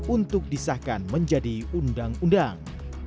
untuk disahkan menjadi undang undang